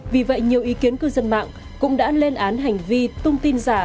vì vậy nhiều ý kiến cư dân mạng cũng đã lên án hành vi tôn tin giáo dục